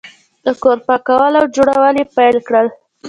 د کور پاکول او جوړول یې پیل کړل.